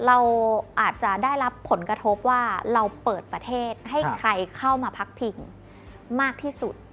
เราอาจจะได้รับผลกระทบว่าเราเปิดประเทศให้ใครเข้ามาพักพิงมากที่สุด